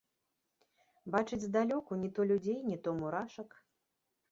Бачыць здалёку не то людзей, не то мурашак.